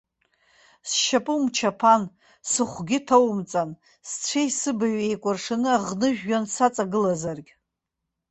Сшьапы умчаԥан, сыхәгьы ҭоумҵан, сцәеи сыбаҩи еикәыршаны аӷныжәҩан саҵагылазаргь.